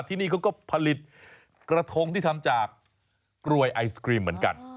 ที่นี่เขาก็ผลิตกระทงที่ทำจากกลวยไอศกรีมเหมือนกัน